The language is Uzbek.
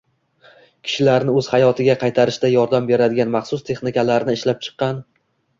Kishilarni o‘z hayotiga qaytarishda yordam beradigan maxsus texnikalarni ishlab chiqqan